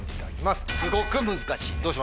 すごく難しいです。